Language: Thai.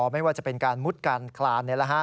ไม่ว่าจะเป็นการมุดการคลาน